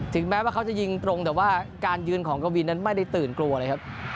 แม้ว่าเขาจะยิงตรงแต่ว่าการยืนของกวินนั้นไม่ได้ตื่นกลัวเลยครับ